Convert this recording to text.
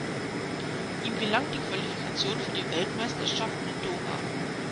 Ihm gelang die Qualifikation für die Weltmeisterschaften in Doha.